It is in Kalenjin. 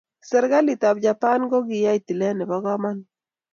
Serikalitab Japan kokiyai tilet nebo komonut.